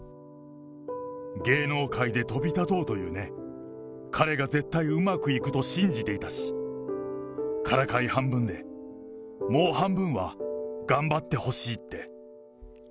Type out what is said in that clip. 芸能界で飛び立とうというね、彼が絶対うまくいくと信じていたし、からかい半分で、もう半分は頑張ってほしいって。